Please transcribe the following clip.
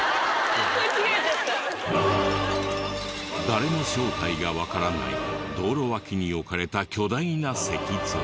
誰も正体がわからない道路脇に置かれた巨大な石像。